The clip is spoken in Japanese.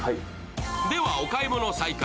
では、お買い物再開。